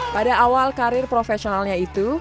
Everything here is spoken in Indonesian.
pada awal karir profesionalnya itu